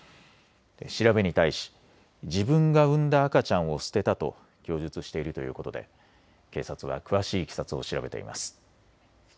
調べに対し自分が産んだ赤ちゃんを捨てたと供述しているということで警察は詳しいいきさつを調べています。